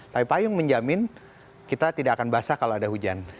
tapi payung menjamin kita tidak akan basah kalau ada hujan